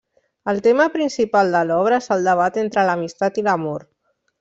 El tema principal de l'obra és el debat entre l'amistat i l'amor.